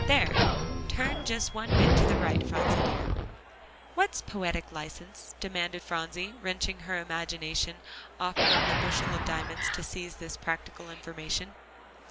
There, turn just one bit to the right, Phronsie dear." "What's poetic license?" demanded Phronsie, wrenching her imagination off from the bushel of diamonds to seize practical information.